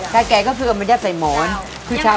แล้วปะเนาคือเหมือนชายใบแก่นะเจ้า